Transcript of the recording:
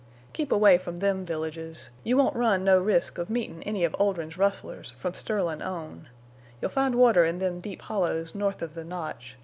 Keep away from them villages. You won't run no risk of meetin' any of Oldrin's rustlers from Sterlin' on. You'll find water in them deep hollows north of the Notch.